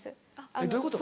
えっどういうこと？